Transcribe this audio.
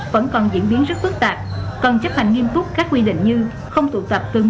vẫn còn diễn biến rất phức tạp